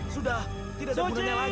sudah tidak ada gunanya lagi raja